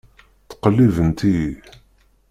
Ttqellibent-iyi.